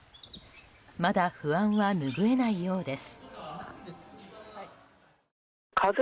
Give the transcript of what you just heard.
まだ不安は拭えないようです。